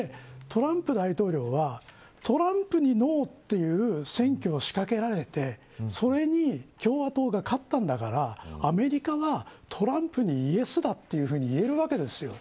トランプ大統領はトランプにノーという選挙を仕掛けられてそれに共和党が勝ったんだからアメリカがトランプにイエスだというふうに言えるわけですよ。